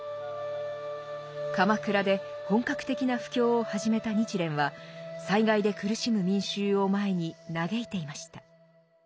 鎌倉で本格的な布教を始めた日蓮は災害で苦しむ民衆を前に嘆いていました。